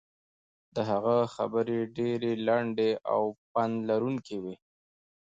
د هغه خبرې ډېرې لنډې او پند لرونکې وې.